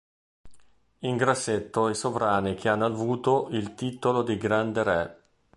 In grassetto i sovrani che hanno avuto il titolo di Grande Re.